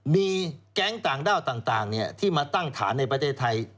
มีแก๊งต่างด้าวต่างที่มาตั้งฐานในประเทศไทย